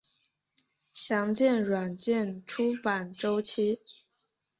详见软件出版周期。